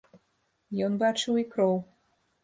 Ён бачыў і кроў.